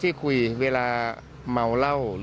ทีมข่าวเราก็พยายามสอบปากคำในแหบนะครับ